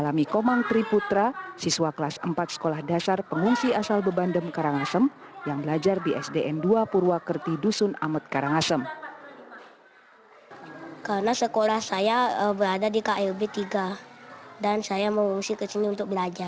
lebih cepat kalau di sini agak lambat sedikit